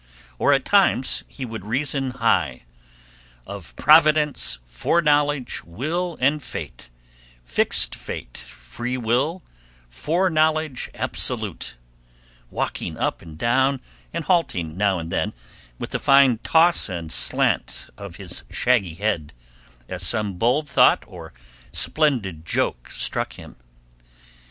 Or at times he would reason high "Of Providence, foreknowledge, will and fate, Fixed fate, free will, foreknowledge absolute," walking up and down, and halting now and then, with a fine toss and slant of his shaggy head, as some bold thought or splendid joke struck him.